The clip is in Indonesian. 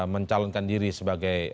mencalonkan diri sebagai